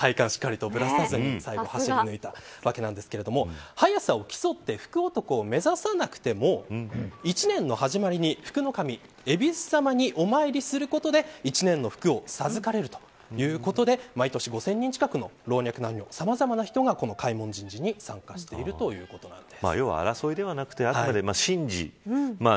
最後の階段で足が体幹をしっかりとぶらさずに最後走り抜けたわけなんですが速さを競って福男を目指さなくても一年のはじまりに、福の神えびす様にお参りすることで１年の福を授かれるということで毎年５０００人近くの老若男女、さまざま人がこの開門神事に参加してるということです。